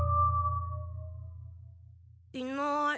いない。